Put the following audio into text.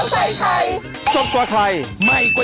สวัสดีค่ะ